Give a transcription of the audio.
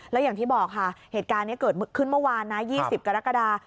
แล้วอย่างที่บอกค่ะเหตุการณ์นี้เกิดขึ้นเมื่อวานนะ๒๐กรกฎา